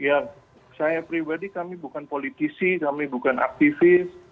ya saya pribadi kami bukan politisi kami bukan aktivis